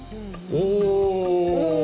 おお！